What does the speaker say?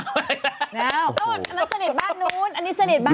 คนนักเสนทบ้างนู้นอันนี้เสนทบ้างนู้น